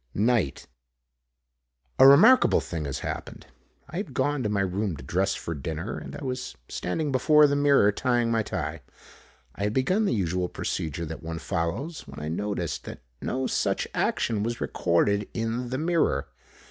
Night: A remarkable thing has happened. I had gone to my room to dress for dinner and I was standing before the mirror tying my tie. I had begun the usual procedure that one follows, when I noticed that no such action was recorded in the mirror.